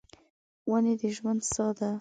ونې د ژوند ساه ده.